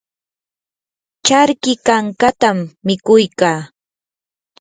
charki kankatam mikuy kaa.